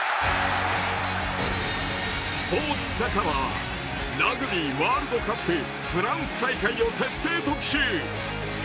「スポーツ酒場」はラグビーワールドカップフランス大会を徹底特集！